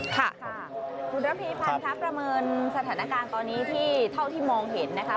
ค่ะค่ะคุณระพีพันธ์ค่ะประเมินสถานการณ์ตอนนี้ที่เท่าที่มองเห็นนะคะ